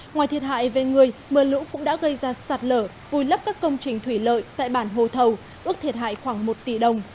ngoài thiệt hại về người mưa lũ cũng đã gây ra sạt lở vùi lấp các công trình thủy lợi tại bản hồ thầu ước thiệt hại khoảng một tỷ đồng